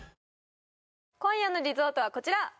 今夜のリゾートはこちら！